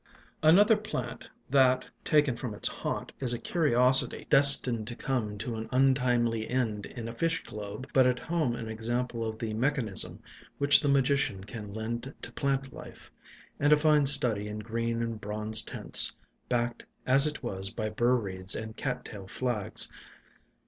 Another plant that, taken from its haunt, is a curiosity destined to come to an untimely end in a fish globe, but at home an example of the mechan ism which the Magician can lend to plant life, and a fine study in green and bronze tints, backed, as it was, by Bur Reeds and Cat tail Flags.